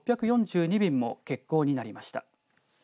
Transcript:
便も欠航になりました。